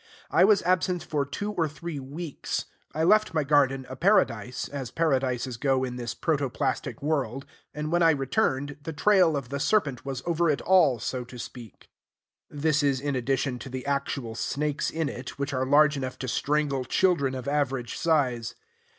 I was absent for two or three weeks. I left my garden a paradise, as paradises go in this protoplastic world; and when I returned, the trail of the serpent was over it all, so to speak. (This is in addition to the actual snakes in it, which are large enough to strangle children of average size.)